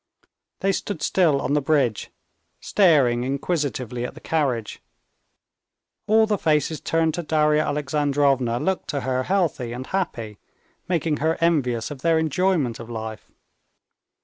They stood still on the bridge, staring inquisitively at the carriage. All the faces turned to Darya Alexandrovna looked to her healthy and happy, making her envious of their enjoyment of life.